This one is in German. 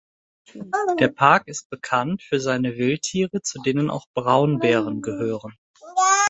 Der Park ist bekannt für seine Wildtiere, zu denen auch Braunbären gehören.